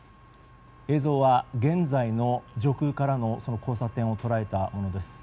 映像は、現在の上空からのその交差点を捉えたものです。